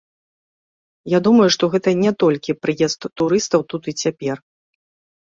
Я думаю, што гэта не толькі прыезд турыстаў тут і цяпер.